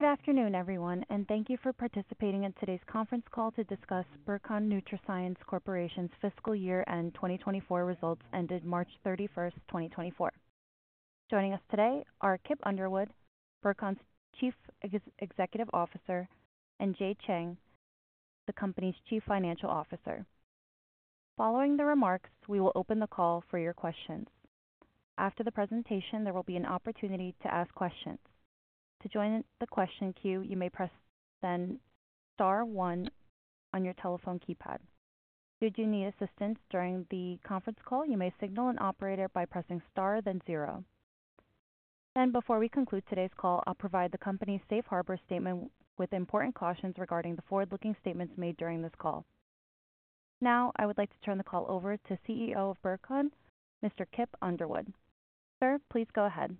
Good afternoon, everyone, and thank you for participating in today's conference call to discuss Burcon NutraScience Corporation's fiscal year and 2024 results ended March 31, 2024. Joining us today are Kip Underwood, Burcon's Chief Executive Officer, and Jade Cheng, the company's Chief Financial Officer. Following the remarks, we will open the call for your questions. After the presentation, there will be an opportunity to ask questions. To join the question queue, you may press then star one on your telephone keypad. Should you need assistance during the conference call, you may signal an operator by pressing star then zero. Then, before we conclude today's call, I'll provide the company's Safe Harbor statement with important cautions regarding the forward-looking statements made during this call. Now, I would like to turn the call over to CEO of Burcon, Mr. Kip Underwood. Sir, please go ahead.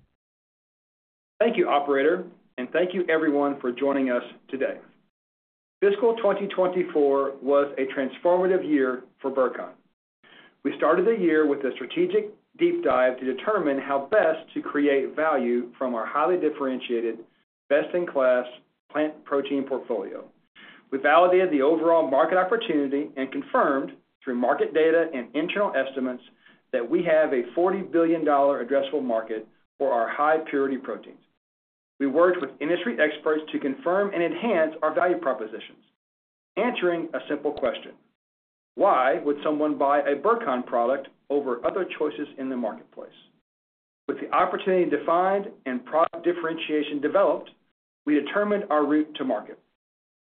Thank you, operator, and thank you everyone for joining us today. Fiscal 2024 was a transformative year for Burcon. We started the year with a strategic deep dive to determine how best to create value from our highly differentiated, best-in-class plant protein portfolio. We validated the overall market opportunity and confirmed through market data and internal estimates that we have a $40 billion addressable market for our high purity proteins. We worked with industry experts to confirm and enhance our value propositions, answering a simple question: Why would someone buy a Burcon product over other choices in the marketplace? With the opportunity defined and product differentiation developed, we determined our route to market,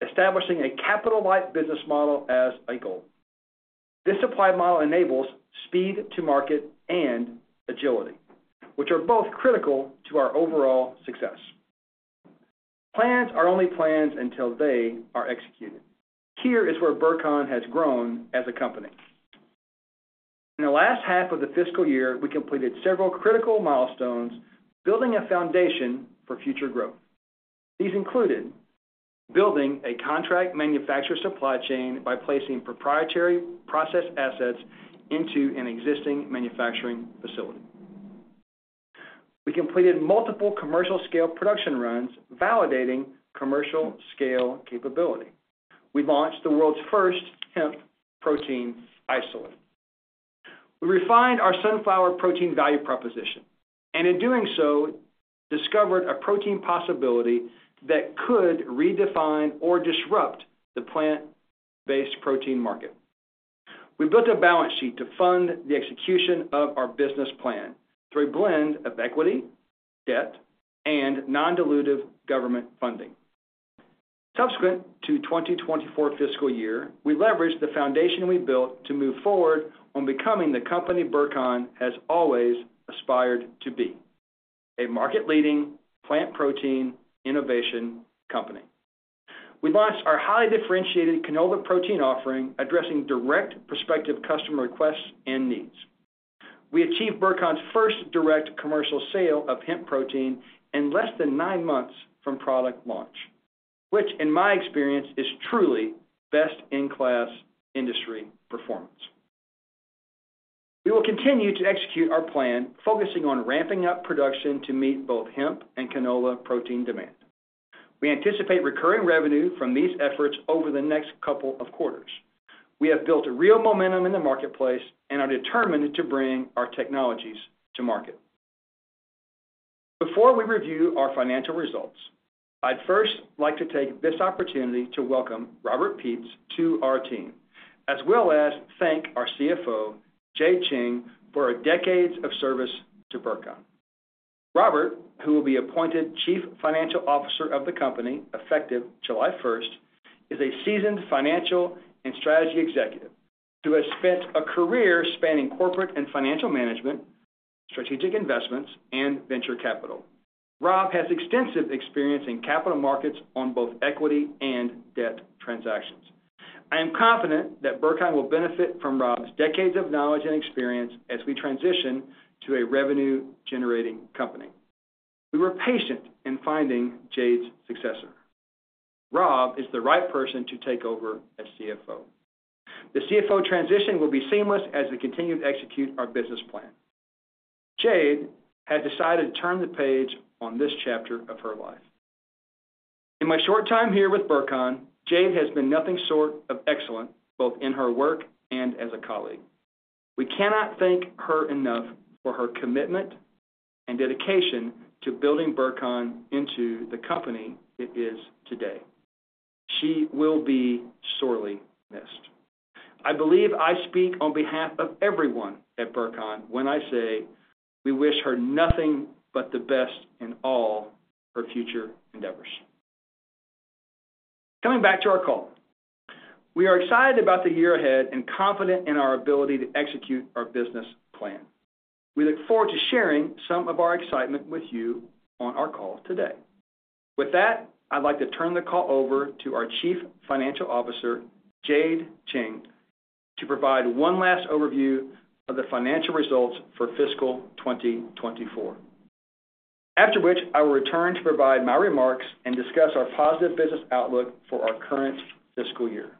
establishing a capital-light business model as a goal. This supply model enables speed to market and agility, which are both critical to our overall success. Plans are only plans until they are executed. Here is where Burcon has grown as a company. In the last half of the fiscal year, we completed several critical milestones, building a foundation for future growth. These included building a contract manufacturer supply chain by placing proprietary process assets into an existing manufacturing facility. We completed multiple commercial-scale production runs, validating commercial-scale capability. We launched the world's first hemp protein isolate. We refined our sunflower protein value proposition, and in doing so, discovered a protein possibility that could redefine or disrupt the plant-based protein market. We built a balance sheet to fund the execution of our business plan through a blend of equity, debt, and non-dilutive government funding. Subsequent to 2024 fiscal year, we leveraged the foundation we built to move forward on becoming the company Burcon has always aspired to be, a market-leading plant protein innovation company. We launched our highly differentiated canola protein offering, addressing direct prospective customer requests and needs. We achieved Burcon's first direct commercial sale of hemp protein in less than nine months from product launch, which, in my experience, is truly best-in-class industry performance. We will continue to execute our plan, focusing on ramping up production to meet both hemp and canola protein demand. We anticipate recurring revenue from these efforts over the next couple of quarters. We have built a real momentum in the marketplace and are determined to bring our technologies to market. Before we review our financial results, I'd first like to take this opportunity to welcome Robert Peets to our team, as well as thank our CFO, Jade Cheng, for her decades of service to Burcon. Robert, who will be appointed Chief Financial Officer of the company effective July first, is a seasoned financial and strategic executive who has spent a career spanning corporate and financial management, strategic investments, and venture capital. Rob has extensive experience in capital markets on both equity and debt transactions. I am confident that Burcon will benefit from Rob's decades of knowledge and experience as we transition to a revenue-generating company. We were patient in finding Jade's successor. Rob is the right person to take over as CFO. The CFO transition will be seamless as we continue to execute our business plan. Jade has decided to turn the page on this chapter of her life. In my short time here with Burcon, Jade has been nothing short of excellent, both in her work and as a colleague. We cannot thank her enough for her commitment and dedication to building Burcon into the company it is today. She will be sorely missed. I believe I speak on behalf of everyone at Burcon when I say we wish her nothing but the best in all her future endeavors. Coming back to our call. We are excited about the year ahead and confident in our ability to execute our business plan. We look forward to sharing some of our excitement with you on our call today. With that, I'd like to turn the call over to our Chief Financial Officer, Jade Cheng, to provide one last overview of the financial results for fiscal 2024. After which, I will return to provide my remarks and discuss our positive business outlook for our current fiscal year.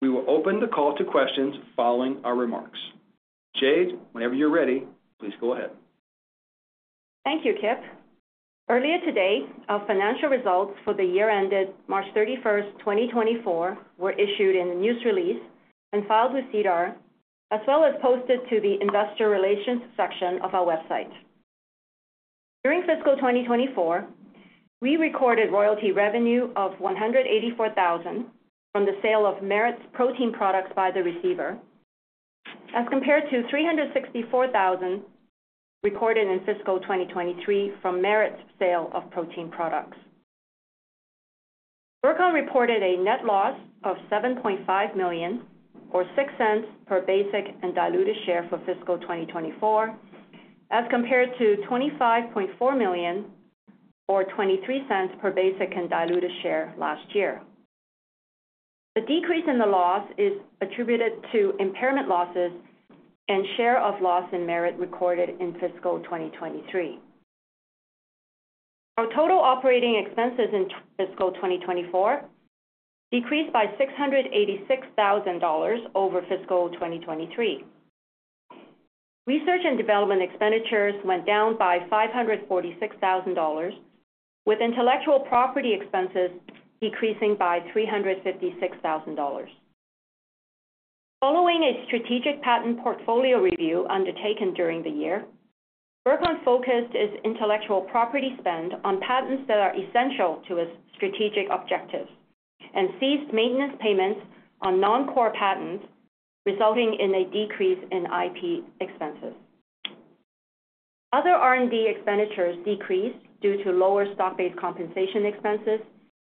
We will open the call to questions following our remarks. Jade, whenever you're ready, please go ahead. Thank you, Kip. Earlier today, our financial results for the year ended March 31, 2024, were issued in a news release and filed with SEDAR, as well as posted to the investor relations section of our website. During fiscal 2024, we recorded royalty revenue of 184,000 from the sale of Merit's protein products by the receiver, as compared to 364,000 recorded in fiscal 2023 from Merit's sale of protein products. Burcon reported a net loss of 7.5 million, or 0.06 per basic and diluted share for fiscal 2024, as compared to 25.4 million or 0.23 per basic and diluted share last year. The decrease in the loss is attributed to impairment losses and share of loss in Merit recorded in fiscal 2023. Our total operating expenses in fiscal 2024 decreased by 686,000 dollars over fiscal 2023. Research and development expenditures went down by 546,000 dollars, with intellectual property expenses decreasing by 356,000 dollars. Following a strategic patent portfolio review undertaken during the year, Burcon focused its intellectual property spend on patents that are essential to its strategic objectives and ceased maintenance payments on non-core patents, resulting in a decrease in IP expenses. Other R&D expenditures decreased due to lower stock-based compensation expenses,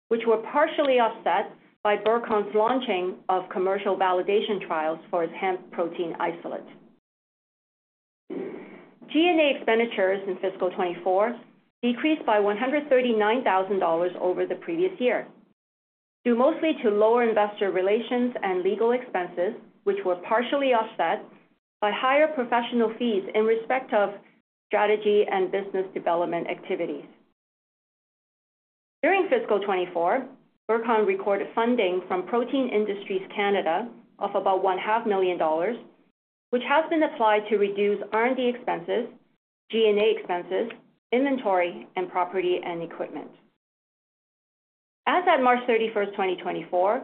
which were partially offset by Burcon's launching of commercial validation trials for its hemp protein isolate. G&A expenditures in fiscal 2024 decreased by 139,000 dollars over the previous year, due mostly to lower investor relations and legal expenses, which were partially offset by higher professional fees in respect of strategy and business development activities. During fiscal 2024, Burcon recorded funding from Protein Industries Canada of about 0.5 million dollars, which has been applied to reduce R&D expenses, G&A expenses, inventory, and property and equipment. As at March 31, 2024,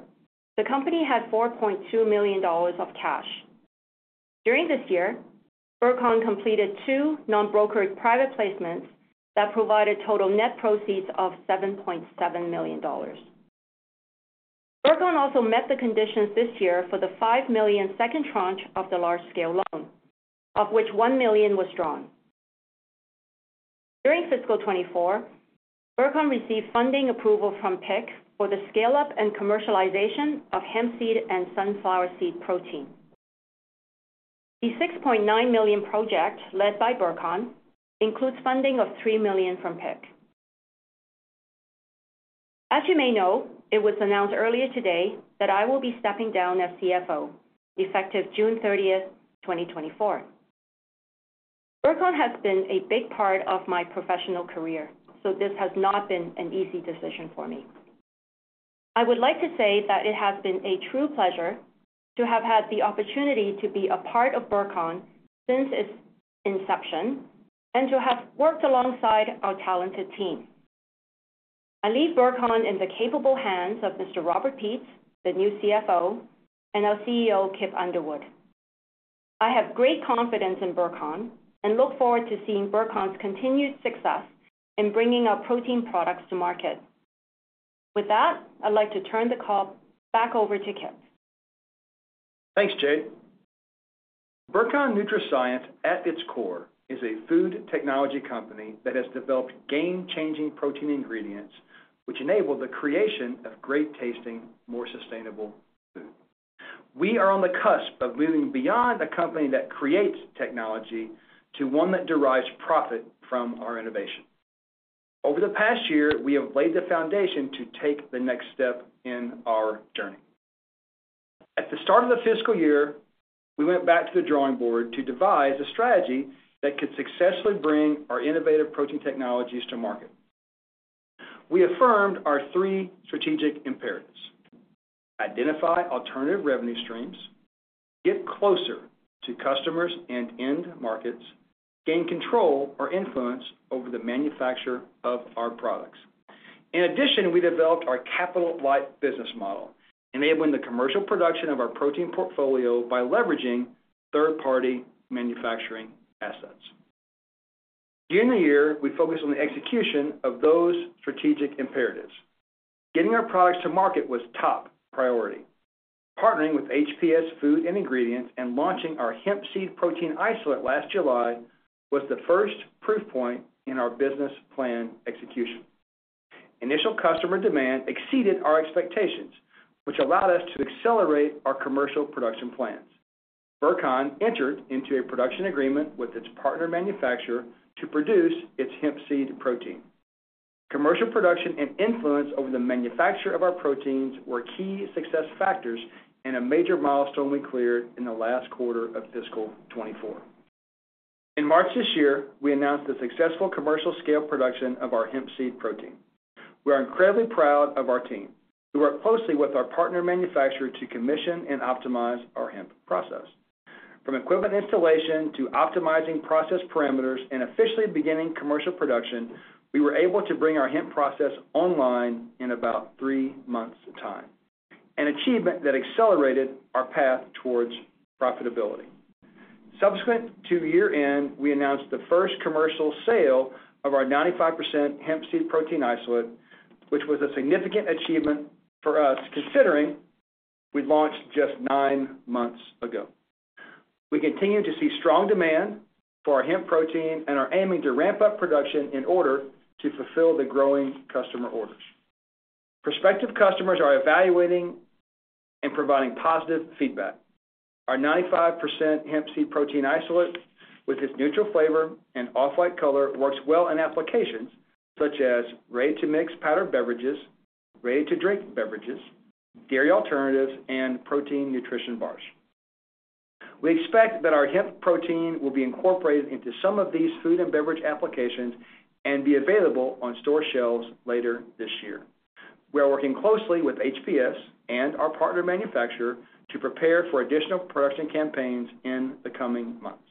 the company had 4.2 million dollars of cash. During this year, Burcon completed two non-brokered private placements that provided total net proceeds of 7.7 million dollars. Burcon also met the conditions this year for the 5 million second tranche of the large-scale loan, of which 1 million was drawn. During fiscal 2024, Burcon received funding approval from PIC for the scale-up and commercialization of hemp seed and sunflower seed protein. The 6.9 million project, led by Burcon, includes funding of 3 million from PIC. As you may know, it was announced earlier today that I will be stepping down as CFO, effective June 30, 2024. Burcon has been a big part of my professional career, so this has not been an easy decision for me. I would like to say that it has been a true pleasure to have had the opportunity to be a part of Burcon since its inception and to have worked alongside our talented team. I leave Burcon in the capable hands of Mr. Robert Peets, the new CFO, and our CEO, Kip Underwood. I have great confidence in Burcon and look forward to seeing Burcon's continued success in bringing our protein products to market. With that, I'd like to turn the call back over to Kip. Thanks, Jade. Burcon NutraScience, at its core, is a food technology company that has developed game-changing protein ingredients, which enable the creation of great-tasting, more sustainable food. We are on the cusp of moving beyond a company that creates technology to one that derives profit from our innovation. Over the past year, we have laid the foundation to take the next step in our journey. At the start of the fiscal year, we went back to the drawing board to devise a strategy that could successfully bring our innovative protein technologies to market. We affirmed our three strategic imperatives: identify alternative revenue streams, get closer to customers and end markets, gain control or influence over the manufacture of our products. In addition, we developed our capital-light business model, enabling the commercial production of our protein portfolio by leveraging third-party manufacturing assets. During the year, we focused on the execution of those strategic imperatives. Getting our products to market was top priority. Partnering with HPS Food & Ingredients and launching our hemp seed protein isolate last July was the first proof point in our business plan execution. Initial customer demand exceeded our expectations, which allowed us to accelerate our commercial production plans. Burcon entered into a production agreement with its partner manufacturer to produce its hemp seed protein. Commercial production and influence over the manufacture of our proteins were key success factors and a major milestone we cleared in the last quarter of fiscal 2024. In March this year, we announced the successful commercial scale production of our hemp seed protein. We are incredibly proud of our team, who worked closely with our partner manufacturer to commission and optimize our hemp process. From equipment installation to optimizing process parameters and officially beginning commercial production, we were able to bring our hemp process online in about 3 months time, an achievement that accelerated our path towards profitability. Subsequent to year-end, we announced the first commercial sale of our 95% hemp seed protein isolate, which was a significant achievement for us, considering we launched just 9 months ago. We continue to see strong demand for our hemp protein and are aiming to ramp up production in order to fulfill the growing customer orders. Prospective customers are evaluating and providing positive feedback. Our 95% hemp seed protein isolate, with its neutral flavor and off-white color, works well in applications such as ready-to-mix powdered beverages, ready-to-drink beverages, dairy alternatives, and protein nutrition bars. We expect that our hemp protein will be incorporated into some of these food and beverage applications and be available on store shelves later this year. We are working closely with HPS and our partner manufacturer to prepare for additional production campaigns in the coming months.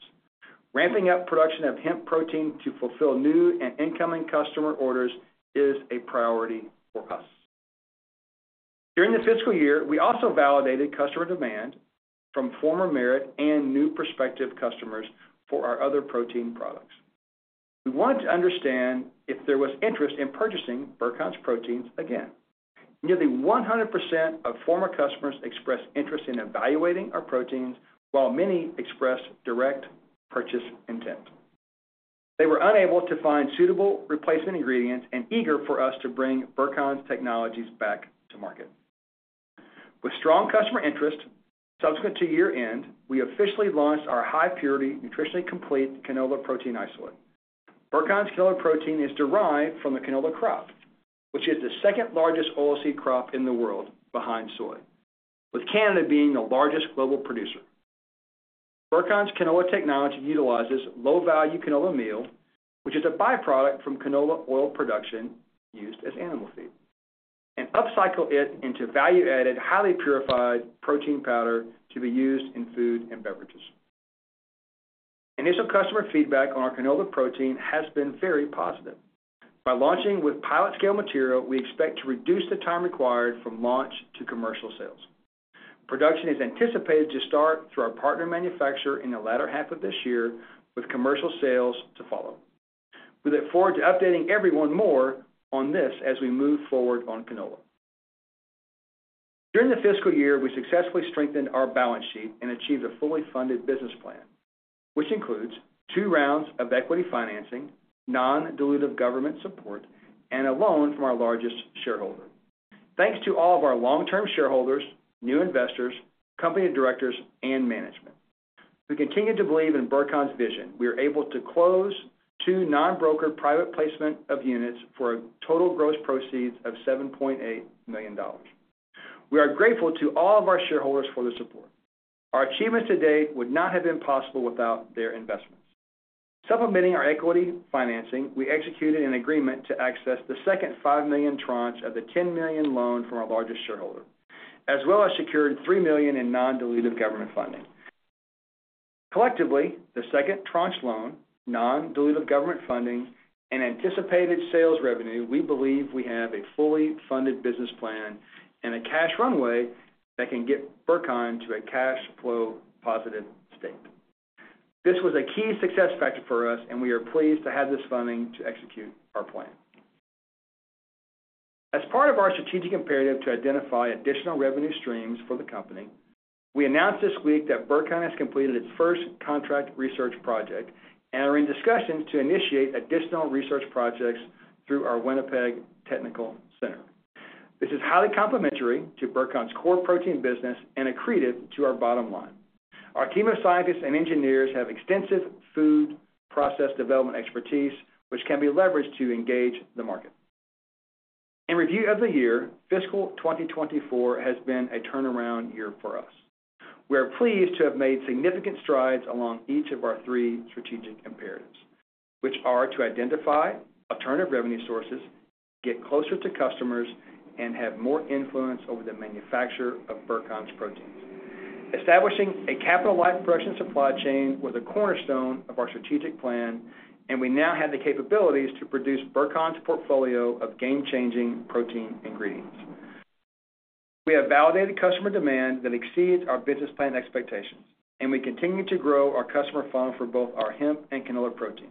Ramping up production of hemp protein to fulfill new and incoming customer orders is a priority for us. During the fiscal year, we also validated customer demand from former Merit and new prospective customers for our other protein products. We wanted to understand if there was interest in purchasing Burcon's proteins again. Nearly 100% of former customers expressed interest in evaluating our proteins, while many expressed direct purchase intent. They were unable to find suitable replacement ingredients and eager for us to bring Burcon's technologies back to market. With strong customer interest, subsequent to year-end, we officially launched our high-purity, nutritionally complete canola protein isolate. Burcon's canola protein is derived from the canola crop, which is the second largest oilseed crop in the world behind soy, with Canada being the largest global producer. Burcon's canola technology utilizes low-value canola meal, which is a byproduct from canola oil production used as animal feed, and upcycle it into value-added, highly purified protein powder to be used in food and beverages. Initial customer feedback on our canola protein has been very positive. By launching with pilot scale material, we expect to reduce the time required from launch to commercial sales. Production is anticipated to start through our partner manufacturer in the latter half of this year, with commercial sales to follow. We look forward to updating everyone more on this as we move forward on canola. During the fiscal year, we successfully strengthened our balance sheet and achieved a fully funded business plan, which includes two rounds of equity financing, non-dilutive government support, and a loan from our largest shareholder. Thanks to all of our long-term shareholders, new investors, company directors, and management, who continue to believe in Burcon's vision, we are able to close two non-brokered private placements of units for a total gross proceeds of 7.8 million dollars. We are grateful to all of our shareholders for their support. Our achievements to date would not have been possible without their investment. Supplementing our equity financing, we executed an agreement to access the second 5 million tranche of the 10 million loan from our largest shareholder, as well as secured 3 million in non-dilutive government funding. Collectively, the second tranche loan, non-dilutive government funding, and anticipated sales revenue, we believe we have a fully funded business plan and a cash runway that can get Burcon to a cash flow positive state. This was a key success factor for us, and we are pleased to have this funding to execute our plan. As part of our strategic imperative to identify additional revenue streams for the company, we announced this week that Burcon has completed its first contract research project and are in discussions to initiate additional research projects through our Winnipeg technical center. This is highly complementary to Burcon's core protein business and accretive to our bottom line. Our team of scientists and engineers have extensive food process development expertise, which can be leveraged to engage the market. In review of the year, fiscal 2024 has been a turnaround year for us. We are pleased to have made significant strides along each of our three strategic imperatives, which are to identify alternative revenue sources, get closer to customers, and have more influence over the manufacture of Burcon's proteins. Establishing a capital-light production supply chain was a cornerstone of our strategic plan, and we now have the capabilities to produce Burcon's portfolio of game-changing protein ingredients. We have validated customer demand that exceeds our business plan expectations, and we continue to grow our customer funnel for both our hemp and canola proteins.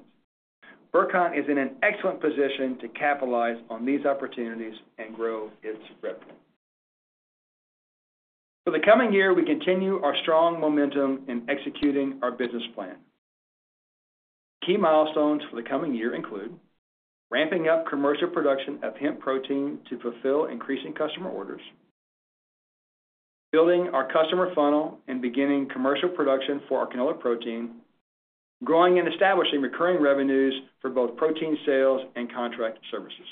Burcon is in an excellent position to capitalize on these opportunities and grow its revenue. For the coming year, we continue our strong momentum in executing our business plan. Key milestones for the coming year include ramping up commercial production of hemp protein to fulfill increasing customer orders, building our customer funnel, and beginning commercial production for our canola protein, growing and establishing recurring revenues for both protein sales and contract services.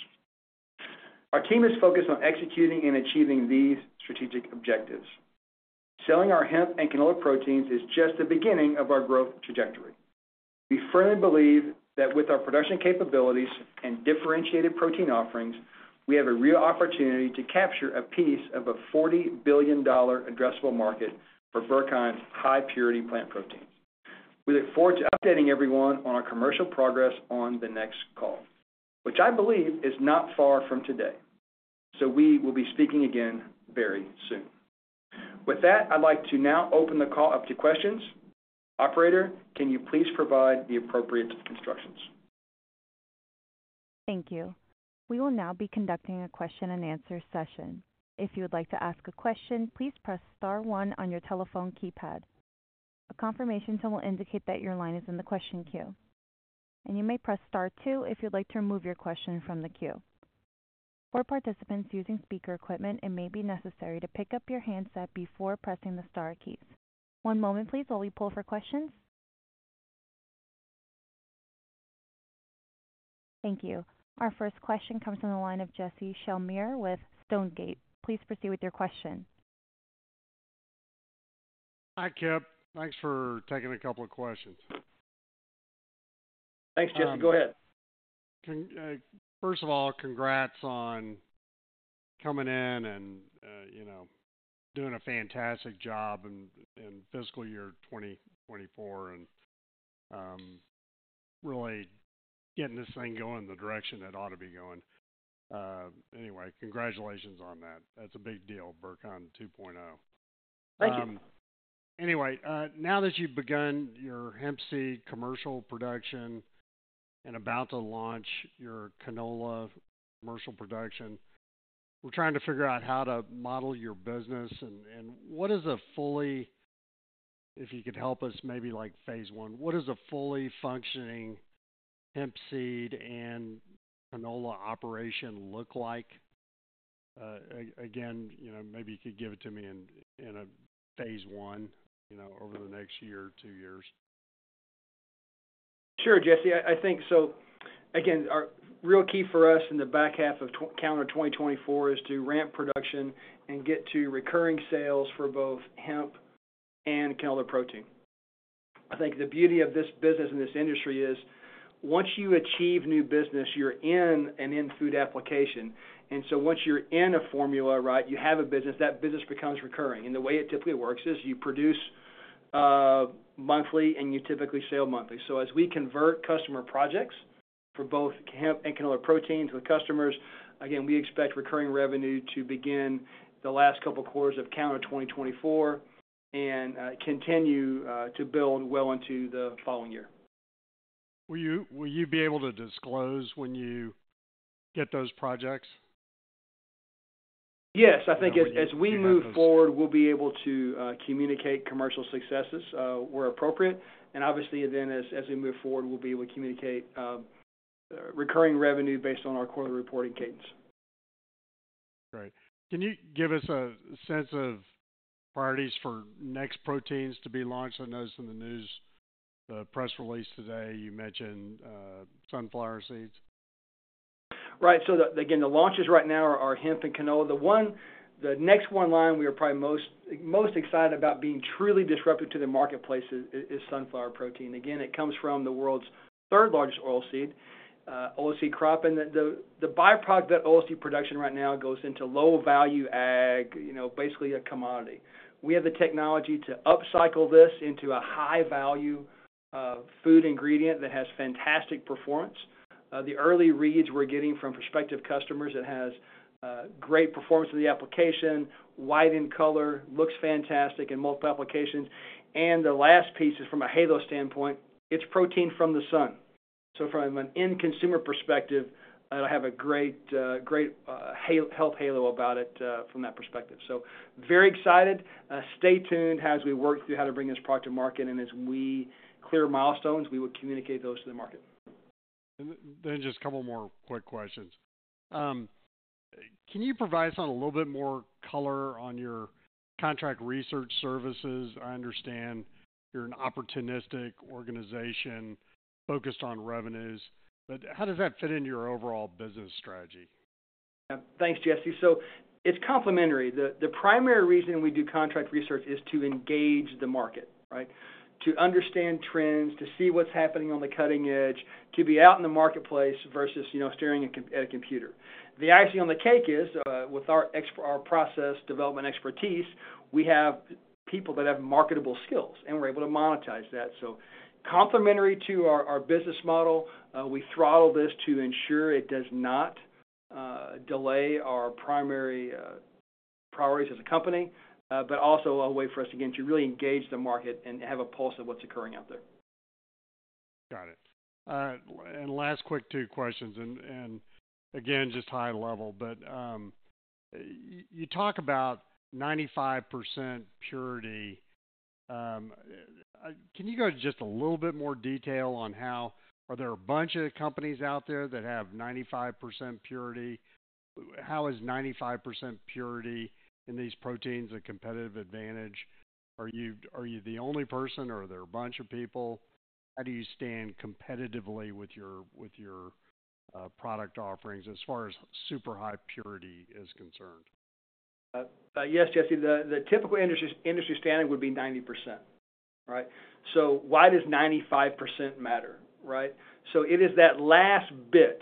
Our team is focused on executing and achieving these strategic objectives. Selling our hemp and canola proteins is just the beginning of our growth trajectory. We firmly believe that with our production capabilities and differentiated protein offerings, we have a real opportunity to capture a piece of a $40 billion addressable market for Burcon's high purity plant proteins. We look forward to updating everyone on our commercial progress on the next call, which I believe is not far from today. So we will be speaking again very soon. With that, I'd like to now open the call up to questions. Operator, can you please provide the appropriate instructions? Thank you. We will now be conducting a question and answer session. If you would like to ask a question, please press star one on your telephone keypad. A confirmation tone will indicate that your line is in the question queue, and you may press star two if you'd like to remove your question from the queue. For participants using speaker equipment, it may be necessary to pick up your handset before pressing the star keys. One moment please, while we poll for questions. Thank you. Our first question comes from the line of Jesse Shelmire with Stonegate. Please proceed with your question. Hi, Kip. Thanks for taking a couple of questions. Thanks, Jesse. Go ahead. First of all, congrats on coming in and, you know, doing a fantastic job in fiscal year 2024, and really getting this thing going in the direction it ought to be going. Anyway, congratulations on that. That's a big deal, Burcon 2.0. Thank you. Anyway, now that you've begun your hemp seed commercial production and about to launch your canola commercial production, we're trying to figure out how to model your business and if you could help us, maybe like phase one, what is a fully functioning hemp seed and canola operation look like? Again, you know, maybe you could give it to me in a phase one, you know, over the next year or two years. Sure, Jesse. I think so... Again, our real key for us in the back half of calendar 2024 is to ramp production and get to recurring sales for both hemp and canola protein. I think the beauty of this business and this industry is, once you achieve new business, you're in an end food application. And so once you're in a formula, right, you have a business, that business becomes recurring. And the way it typically works is you produce monthly, and you typically sell monthly. So as we convert customer projects for both hemp and canola protein to the customers, again, we expect recurring revenue to begin the last couple of quarters of calendar 2024 and continue to build well into the following year. Will you, will you be able to disclose when you get those projects? Yes, I think as, as we move forward, we'll be able to communicate commercial successes, where appropriate. And obviously then as, as we move forward, we'll be able to communicate, recurring revenue based on our quarterly reporting cadence. Great. Can you give us a sense of priorities for next proteins to be launched? I noticed in the news, the press release today, you mentioned, sunflower seeds. Right. So the, again, the launches right now are hemp and canola. The one—the next one line we are probably most, most excited about being truly disruptive to the marketplace is, is sunflower protein. Again, it comes from the world's third-largest oil seed, oil seed crop, and the, the byproduct of that oil seed production right now goes into low-value ag, you know, basically a commodity. We have the technology to upcycle this into a high-value, food ingredient that has fantastic performance. The early reads we're getting from prospective customers, it has great performance in the application, white in color, looks fantastic in multiple applications. And the last piece is from a halo standpoint, it's protein from the sun. So from an end consumer perspective, it'll have a great, great, health halo about it, from that perspective. So very excited. Stay tuned as we work through how to bring this product to market, and as we clear milestones, we will communicate those to the market. Then just a couple more quick questions. Can you provide us on a little bit more color on your contract research services? I understand you're an opportunistic organization focused on revenues, but how does that fit into your overall business strategy? Thanks, Jesse. So it's complementary. The primary reason we do contract research is to engage the market, right? To understand trends, to see what's happening on the cutting edge, to be out in the marketplace versus, you know, staring at a computer. The icing on the cake is, with our process development expertise, we have people that have marketable skills, and we're able to monetize that. So complementary to our business model, we throttle this to ensure it does not delay our primary priorities as a company, but also a way for us, again, to really engage the market and have a pulse of what's occurring out there. Got it. And last quick two questions, and again, just high level, but, you talk about 95% purity. Can you go just a little bit more detail on how... Are there a bunch of companies out there that have 95% purity? How is 95% purity in these proteins a competitive advantage? Are you, are you the only person or are there a bunch of people? How do you stand competitively with your, with your, product offerings as far as super high purity is concerned? Yes, Jesse, the typical industry standard would be 90%, right? So why does 95% matter, right? So it is that last bit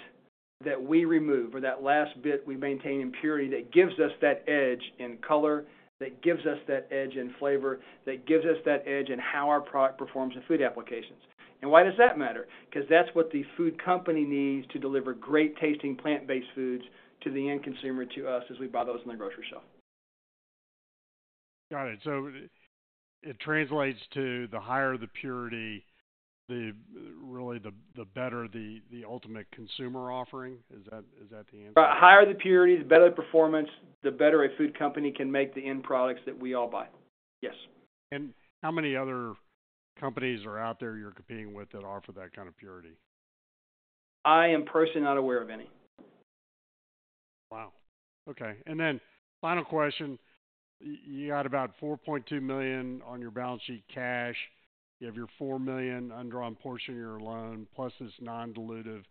that we remove or that last bit we maintain in purity, that gives us that edge in color, that gives us that edge in flavor, that gives us that edge in how our product performs in food applications. And why does that matter? Because that's what the food company needs to deliver great-tasting, plant-based foods to the end consumer, to us, as we buy those in the grocery shelf. Got it. So it translates to the higher the purity, the really the better the ultimate consumer offering. Is that the answer? The higher the purity, the better the performance, the better a food company can make the end products that we all buy. Yes. How many other companies are out there you're competing with that offer that kind of purity? I am personally not aware of any. Wow! Okay. And then final question. You, you had about 4.2 million on your balance sheet cash. You have your 4 million undrawn portion of your loan, plus this non-dilutive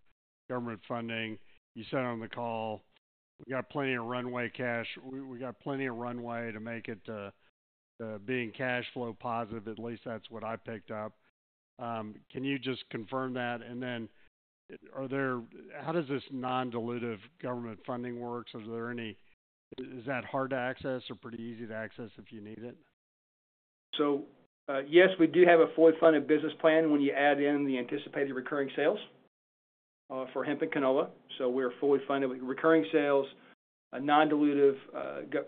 government funding. You said on the call, we got plenty of runway cash. We, we got plenty of runway to make it, being cash flow positive. At least that's what I picked up. Can you just confirm that? And then how does this non-dilutive government funding works? Is there any... Is that hard to access or pretty easy to access if you need it? Yes, we do have a fully funded business plan when you add in the anticipated recurring sales for hemp and canola. We're fully funded with recurring sales, a non-dilutive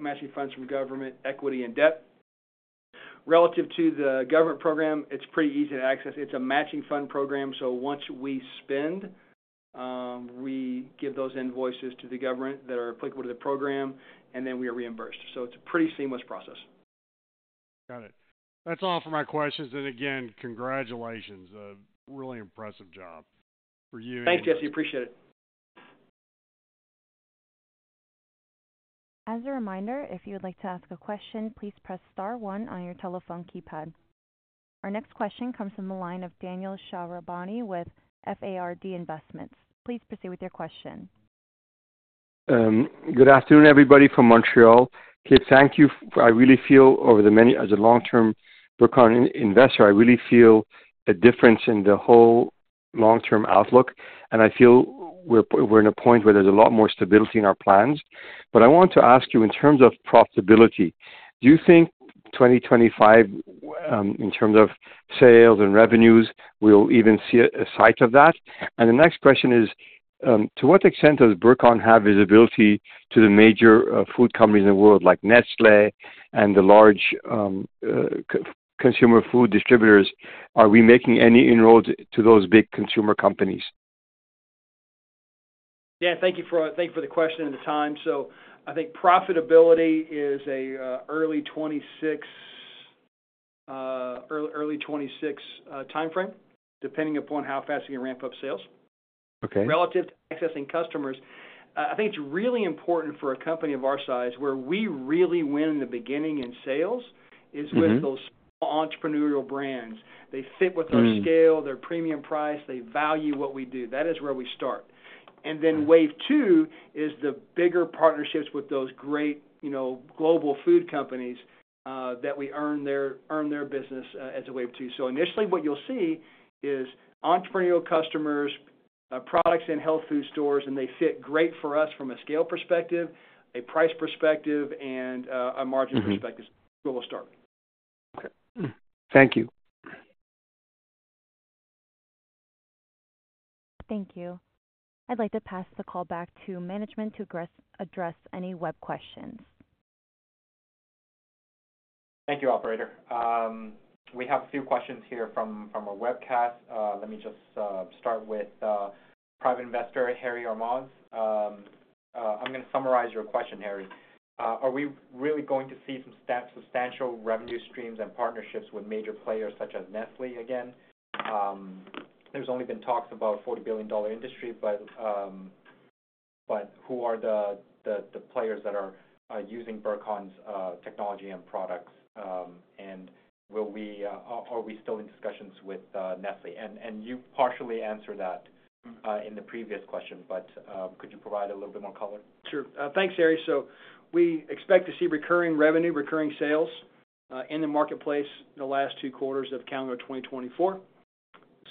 matching funds from government, equity, and debt. Relative to the government program, it's pretty easy to access. It's a matching fund program, so once we spend, we give those invoices to the government that are applicable to the program, and then we are reimbursed. It's a pretty seamless process. Got it. That's all for my questions. And again, congratulations. A really impressive job for you. Thanks, Jesse. Appreciate it. As a reminder, if you would like to ask a question, please press star one on your telephone keypad. Our next question comes from the line of Daniel Shahrabani with Fard Investments. Please proceed with your question. Good afternoon, everybody, from Montreal. Kip, thank you. I really feel over the many. As a long-term working investor, I really feel a difference in the whole long-term outlook, and I feel we're in a point where there's a lot more stability in our plans. But I want to ask you, in terms of profitability, do you think 2025, in terms of sales and revenues, we'll even see a sign of that? And the next question is, to what extent does Burcon have visibility to the major food companies in the world, like Nestlé and the large consumer food distributors? Are we making any inroads to those big consumer companies? Dan, thank you for the question and the time. So I think profitability is a early 2026 timeframe, depending upon how fast we can ramp up sales. Okay. Relative to accessing customers, I think it's really important for a company of our size, where we really win in the beginning in sales, is- Mm-hmm -with those entrepreneurial brands. They fit with our scale, their premium price, they value what we do. That is where we start. And then wave two is the bigger partnerships with those great, you know, global food companies that we earn their business as a wave two. So initially, what you'll see is entrepreneurial customers products in health food stores, and they fit great for us from a scale perspective, a price perspective, and a margin perspective. Mm-hmm. Is where we'll start. Okay. Thank you. Thank you. I'd like to pass the call back to management to address any web questions. Thank you, operator. We have a few questions here from our webcast. Let me just start with private investor, Harry Armand. I'm gonna summarize your question, Harry. Are we really going to see some substantial revenue streams and partnerships with major players such as Nestlé again? There's only been talks about $40 billion industry, but who are the players that are using Burcon's technology and products? And will we are we still in discussions with Nestlé? And you partially answered that in the previous question, but could you provide a little bit more color? Sure. Thanks, Harry. So we expect to see recurring revenue, recurring sales, in the marketplace in the last two quarters of calendar 2024.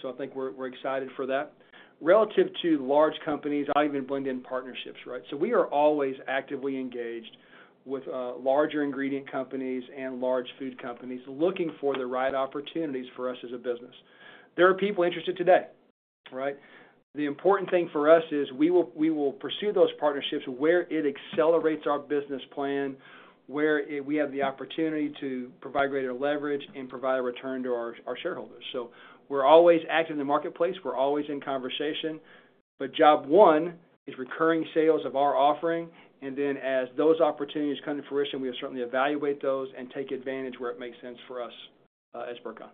So I think we're, we're excited for that. Relative to large companies, I'll even blend in partnerships, right? So we are always actively engaged with, larger ingredient companies and large food companies, looking for the right opportunities for us as a business. There are people interested today, right? The important thing for us is we will, we will pursue those partnerships where it we have the opportunity to provide greater leverage and provide a return to our, our shareholders. So we're always active in the marketplace, we're always in conversation, but job one is recurring sales of our offering, and then as those opportunities come to fruition, we certainly evaluate those and take advantage where it makes sense for us, as Burcon.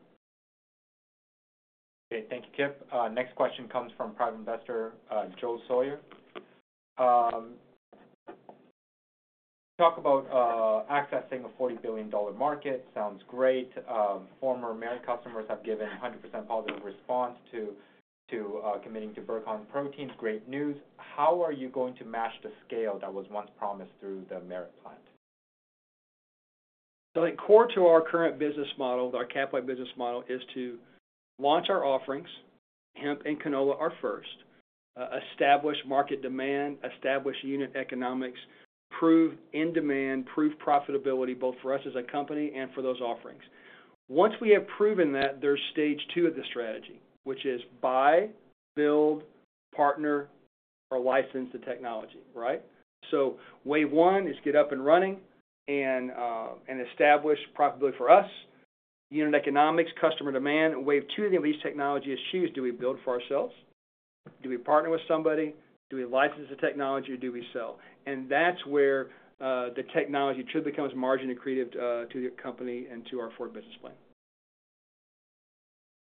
Okay. Thank you, Kip. Next question comes from private investor, Joe Sawyer. Talk about accessing a $40 billion market. Sounds great. Former Merit customers have given 100% positive response to committing to Burcon proteins. Great news. How are you going to match the scale that was once promised through the Merit plant? So in core to our current business model, our capital business model, is to launch our offerings. Hemp and canola are first. Establish market demand, establish unit economics, prove in demand, prove profitability, both for us as a company and for those offerings. Once we have proven that, there's stage two of the strategy, which is buy, build, partner, or license the technology, right? So wave one is get up and running and establish profitability for us, unit economics, customer demand. Wave two, then these technology issues, do we build for ourselves? Do we partner with somebody? Do we license the technology, or do we sell? And that's where the technology truly becomes margin accretive to the company and to our forward business plan.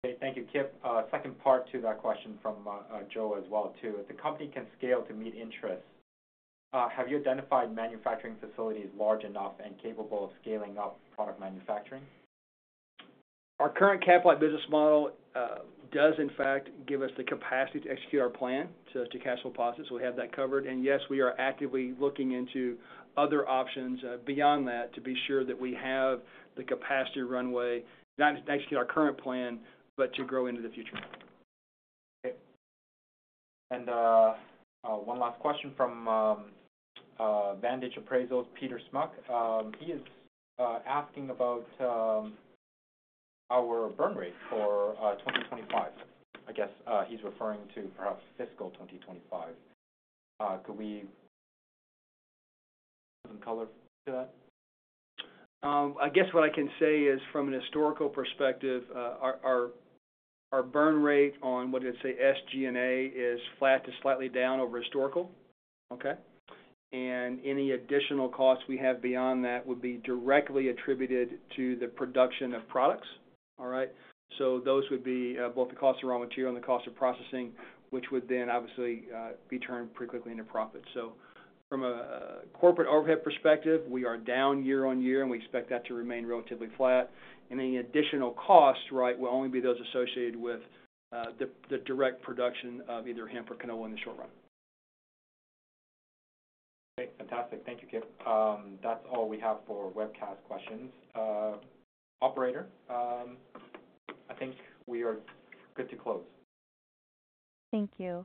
Okay, thank you, Kip. Second part to that question from Joe as well, too. If the company can scale to meet interest, have you identified manufacturing facilities large enough and capable of scaling up product manufacturing? Our current capital business model does in fact give us the capacity to execute our plan to cash flow positive. So we have that covered. And yes, we are actively looking into other options beyond that to be sure that we have the capacity runway, not to execute our current plan, but to grow into the future. Okay. And one last question from Vantage Appraisals, Peter Smuk. He is asking about our burn rate for 2025. I guess he's referring to perhaps fiscal 2025. Could we some color to that? I guess what I can say is, from a historical perspective, our burn rate on what is, say, SG&A, is flat to slightly down over historical. Okay? And any additional costs we have beyond that would be directly attributed to the production of products. All right? So those would be, both the cost of raw material and the cost of processing, which would then obviously, be turned pretty quickly into profit. So from a corporate overhead perspective, we are down year-over-year, and we expect that to remain relatively flat. Any additional costs, right, will only be those associated with, the direct production of either hemp or canola in the short run. Okay, fantastic. Thank you, Kip. That's all we have for webcast questions. Operator, I think we are good to close. Thank you.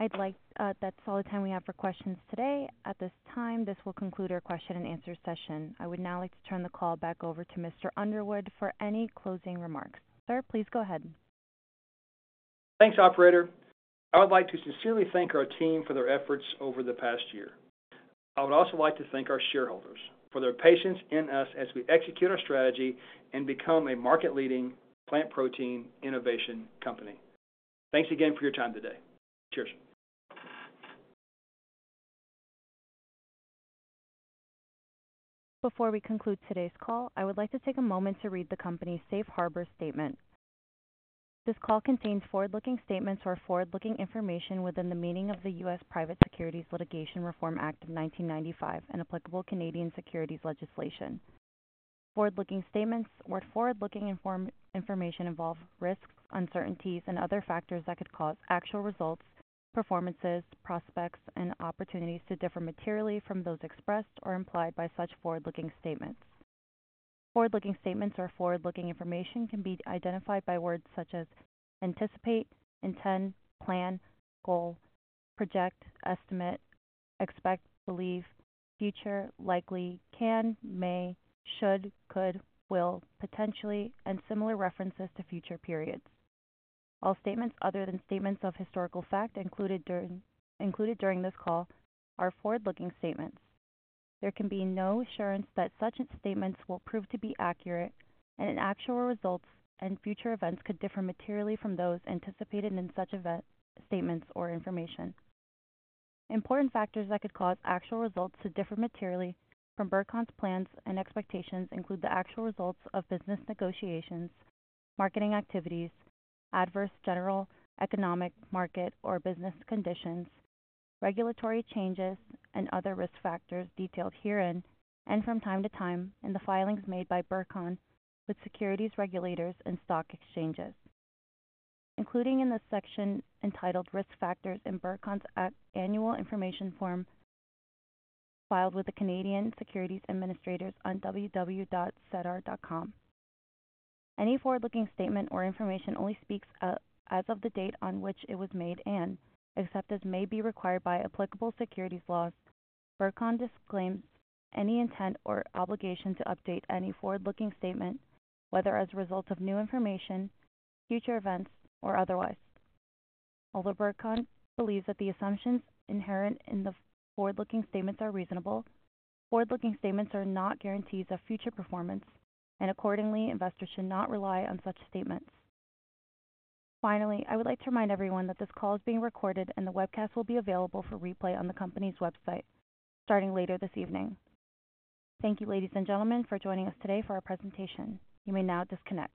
I'd like... that's all the time we have for questions today. At this time, this will conclude our question and answer session. I would now like to turn the call back over to Mr. Underwood for any closing remarks. Sir, please go ahead. Thanks, operator. I would like to sincerely thank our team for their efforts over the past year. I would also like to thank our shareholders for their patience in us as we execute our strategy and become a market-leading plant protein innovation company. Thanks again for your time today. Cheers. Before we conclude today's call, I would like to take a moment to read the company's Safe Harbor statement. This call contains forward-looking statements or forward-looking information within the meaning of the U.S. Private Securities Litigation Reform Act of 1995 and applicable Canadian securities legislation. Forward-looking statements or forward-looking information involve risks, uncertainties and other factors that could cause actual results, performances, prospects and opportunities to differ materially from those expressed or implied by such forward-looking statements. Forward-looking statements or forward-looking information can be identified by words such as anticipate, intend, plan, goal, project, estimate, expect, believe, future, likely, can, may, should, could, will, potentially, and similar references to future periods. All statements other than statements of historical fact included during this call are forward-looking statements. There can be no assurance that such statements will prove to be accurate, and actual results and future events could differ materially from those anticipated in such event, statements or information. Important factors that could cause actual results to differ materially from Burcon's plans and expectations include the actual results of business negotiations, marketing activities, adverse general economic market or business conditions, regulatory changes, and other risk factors detailed herein and from time to time in the filings made by Burcon with securities regulators and stock exchanges, including in the section entitled Risk Factors in Burcon's Annual Information Form filed with the Canadian Securities Administrators on www.sedar.com. Any forward-looking statement or information only speaks as of the date on which it was made, and except as may be required by applicable securities laws, Burcon disclaims any intent or obligation to update any forward-looking statement, whether as a result of new information, future events, or otherwise. Although Burcon believes that the assumptions inherent in the forward-looking statements are reasonable, forward-looking statements are not guarantees of future performance, and accordingly, investors should not rely on such statements. Finally, I would like to remind everyone that this call is being recorded, and the webcast will be available for replay on the company's website starting later this evening. Thank you, ladies and gentlemen, for joining us today for our presentation. You may now disconnect.